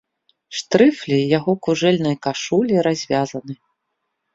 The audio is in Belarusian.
Штрыфлі яго кужэльнай кашулі развязаны.